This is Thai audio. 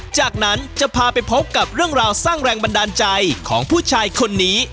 จากนั้นจะพาไปพบกับเรื่องราวสร้างแรงบันดาลใจของผู้ชายคนนี้